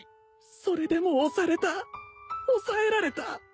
それでも押された抑えられた